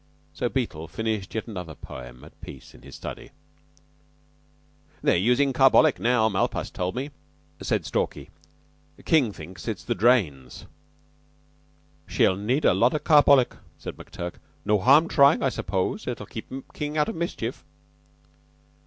So Beetle finished yet another poem at peace in the study. "They're usin' carbolic now. Malpas told me," said Stalky. "King thinks it's the drains." "She'll need a lot o' carbolic," said McTurk. "No harm tryin', I suppose. It keeps King out of mischief."